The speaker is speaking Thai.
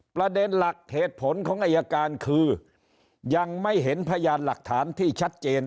ประเด็นหลักเหตุผลของอายการคือยังไม่เห็นพยานหลักฐานที่ชัดเจน